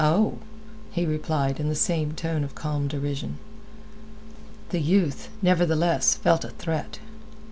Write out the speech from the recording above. "Oh!" he replied in the same tone of calm derision. The youth, nevertheless, felt a threat.